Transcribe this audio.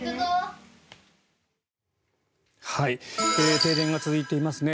停電が続いていますね。